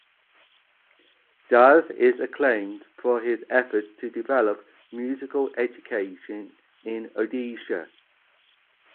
Das is acclaimed for his efforts to develop musical education in Odisha.